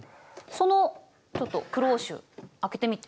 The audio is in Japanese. そのちょっとクローシュ開けてみて。